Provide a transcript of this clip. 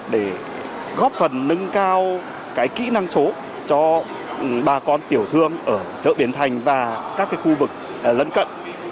để góp phần nâng cao kỹ năng số cho bà con tiểu thương ở chợ bến thành và các khu vực lân cận